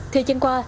thời trang qua